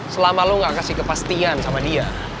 selama lo gak kasih kepastian sama dia